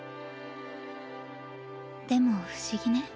でも不思議ね。